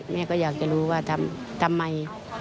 แม่ก็อยากจะรู้ว่าทำไม